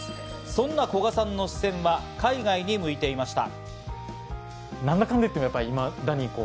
そんな古賀さんの視点は海外に向いていました。